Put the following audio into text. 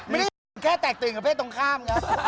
ไม่ได้แค่แตกตัวเองกับเพศตรงข้าม